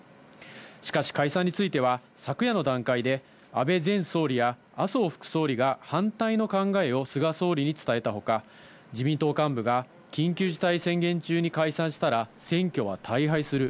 しかし解散については昨夜の段階で安倍前総理や麻生副総理が反対の考えを菅総理に伝えたほか、自民党幹部が緊急事態宣言中に解散したら選挙は大敗する。